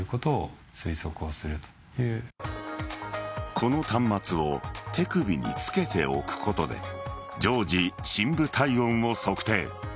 この端末を手首に着けておくことで常時、深部体温を測定。